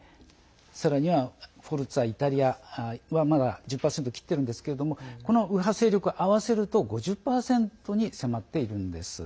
さらにはフォルツァ・イタリアはまだ１０％を切っているんですけれどもこの右派勢力、合わせると５０％に迫っているんです。